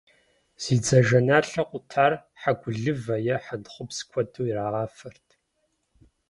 Зи дзажэналъэ къутар хьэгулывэ е хьэнтхъупс куэду ирагъафэрт.